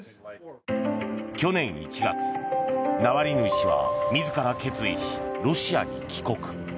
去年１月、ナワリヌイ氏は自ら決意し、ロシアに帰国。